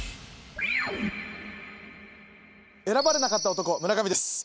選ばれなかった男村上です。